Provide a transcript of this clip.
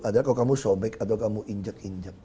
padahal kalau kamu sobek atau kamu injek injek